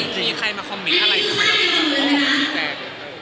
จริงใครมาคอมเม้นท์อะไรกัน